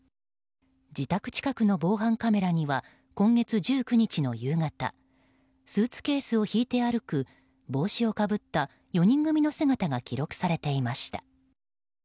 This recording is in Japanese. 自宅近くの防犯カメラには今月１９日の夕方スーツケースを引いて歩く帽子をかぶった４人組の姿が記録されていました。